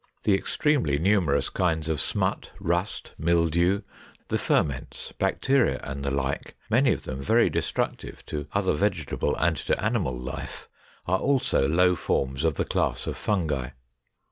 The extremely numerous kinds of smut, rust, mildew, the ferments, bacteria, and the like, many of them very destructive to other vegetable and to animal life, are also low forms of the class of Fungi.